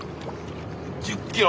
１０キロ。